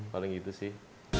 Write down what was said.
paling gitu sih